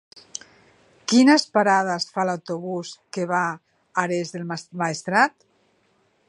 Quines parades fa l'autobús que va a Ares del Maestrat?